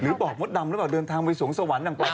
หรือบอกมดดำแล้วบอกเดินทางไปสวงสวรรค์อย่างปลอดภัยนะ